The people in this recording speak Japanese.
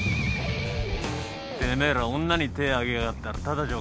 てめえら女に手ぇ上げやがったらただじゃおかねえぞ。